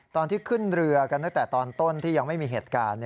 ตอนที่ขึ้นเรือกันตั้งแต่ตอนต้นที่ยังไม่มีเหตุการณ์